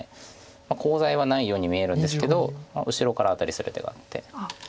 コウ材はないように見えるんですけど後ろからアタリする手があって。